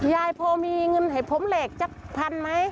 ยายพอมีเงินให้ผมแหลกสักพันไหม